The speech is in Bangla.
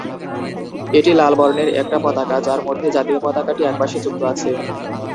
এটি লাল বর্ণের একটা পতাকা, যার মধ্যে জাতীয় পতাকাটি এক পাশে যুক্ত আছে।